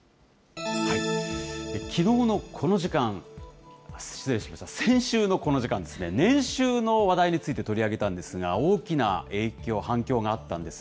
きのうのこの時間、失礼しました、先週のこの時間ですね、年収の話題について取り上げたんですが、大きな影響、反響があったんです。